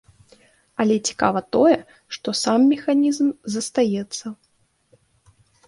Але цікава тое, што сам механізм застаецца.